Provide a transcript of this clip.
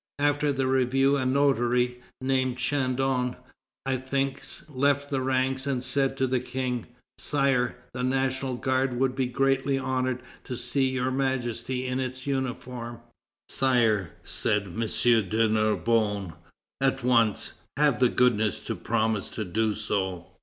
After the review a notary, named Chandon, I think, left the ranks and said to the King: 'Sire, the National Guard would be greatly honored to see Your Majesty in its uniform.' 'Sire,' said M. de Narbonne, at once, 'have the goodness to promise to do so.